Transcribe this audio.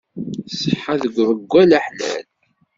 Ṣṣeḥa deg uḍeggal aḥlal.